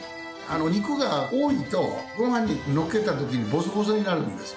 肉が多いとご飯にのっけた時にボソボソになるんですよ。